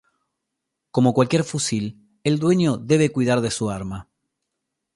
Como cualquier fusil, el dueño debe cuidar de su arma.